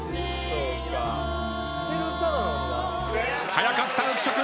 早かった浮所君。